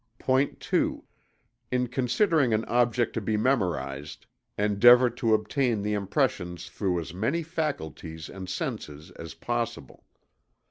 POINT II. _In considering an object to be memorized, endeavor to obtain the impressions through as many faculties and senses as possible.